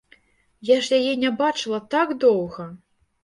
Я ж яе не бачыла так доўга!